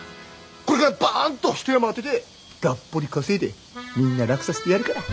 これからバーンと一山当ててがっぽり稼いでみんな楽させてやるから。